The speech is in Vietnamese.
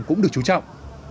cũng được chú trọng